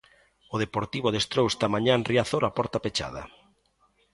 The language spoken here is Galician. O Deportivo adestrou esta mañá en Riazor a porta pechada.